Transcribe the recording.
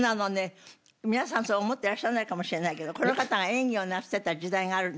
皆さんそう思ってらっしゃらないかもしれないけどこの方が演技をなさってた時代があるんですよ。